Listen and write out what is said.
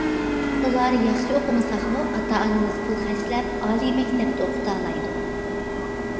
ئۇلار ياخشى ئوقۇمىساقمۇ ئاتا- ئانىمىز پۇل خەجلەپ ئالىي مەكتەپتە ئوقۇتالايدۇ.